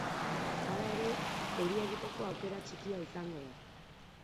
Hala ere, euria egiteko aukera txikia izango da.